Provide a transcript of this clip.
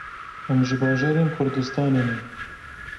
Em ji bajarên Kurdistanê ne.